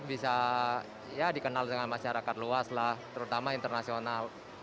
bisa ya dikenal dengan masyarakat luas lah terutama internasional